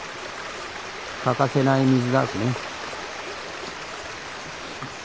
欠かせない水だしね。